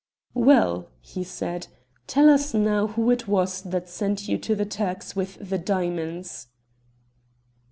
"Well," he said, "tell us now who it was that sent you to the Turks with the diamonds?"